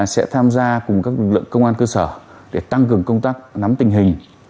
sẽ tham gia cùng các lực lượng công an cơ sở để tăng cường công tác nắm tình hình